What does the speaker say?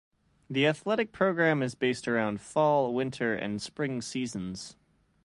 The athletic program is based around fall, winter and spring seasons.